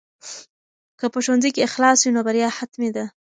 که په ښوونځي کې اخلاص وي نو بریا حتمي ده.